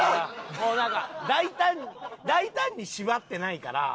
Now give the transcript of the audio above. もうなんか大胆大胆に縛ってないから。